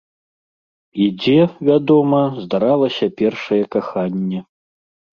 І дзе, вядома, здаралася першае каханне.